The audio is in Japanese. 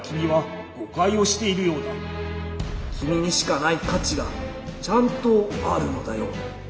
君にしかない価値がちゃんとあるのだよ。